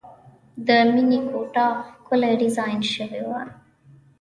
د مینې کوټه ښکلې ډیزاین شوې وه